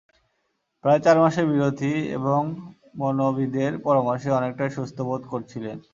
প্রায় চার মাসের বিরতি এবং মনোবিদের পরামর্শে অনেকটাই সুস্থ বোধ করছিলেন।